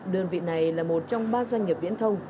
đơn vị này là một trong ba doanh nghiệp viễn thông